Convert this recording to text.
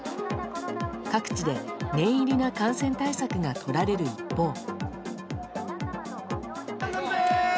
各地で念入りな感染対策がとられる一方。